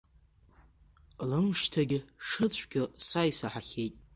Лымшьҭагьы шыцәгьо са исаҳахьеит.